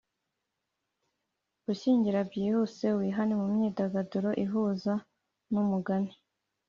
gushyingira byihuse, wihane mu myidagaduro ihuza n'umugani